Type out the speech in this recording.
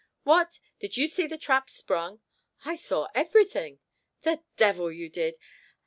"What! did you see the trap sprung?" "I saw everything." "The devil you did!